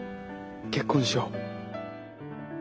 結婚しよう。